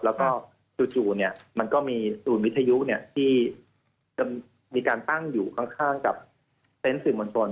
แล้วก็จู่เนี่ยมันก็มีสูญวิทยุที่มีการตั้งอยู่ข้างกับเซ็นส์สื่อมนตร